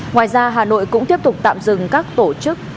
ngoài ra hà nội cũng tiếp tục tạm dừng các tổ chức